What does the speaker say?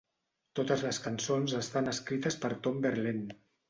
Totes les cançons estan escrites per Tom Verlaine.